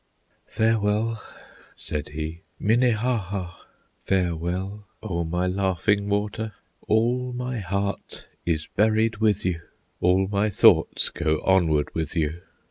"Farewell!" said he, "Minnehaha! Farewell, O my Laughing Water! All my heart is buried with you, All my thoughts go onward with you!